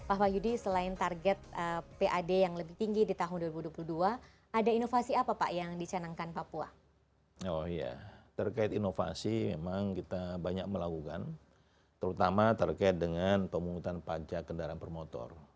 oh iya terkait inovasi memang kita banyak melakukan terutama terkait dengan pemungutan pajak kendaraan per motor